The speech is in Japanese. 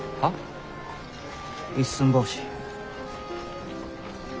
「一寸法師」。